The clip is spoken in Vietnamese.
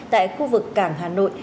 tại khu vực cảng hà nội